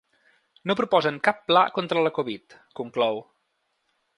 “No proposen cap pla contra la covid”, conclou.